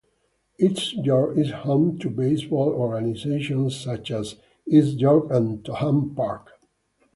East York is home to baseball organizations such as East York and Topham Park.